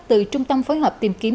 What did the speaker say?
từ trung tâm phối hợp tìm kiếm